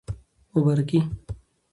مبارکي